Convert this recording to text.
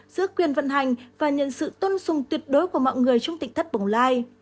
giữ quyền vận hành và nhận sự tôn dùng tuyệt đối của mọi người trong tịnh thất bổng lai